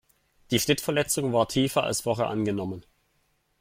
Die Schnittverletzung war tiefer als vorher angenommen.